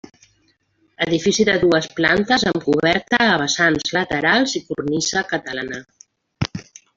Edifici de dues plantes amb coberta a vessants laterals i cornisa catalana.